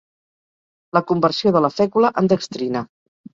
La conversió de la fècula en dextrina.